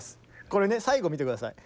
これね最後見て下さい。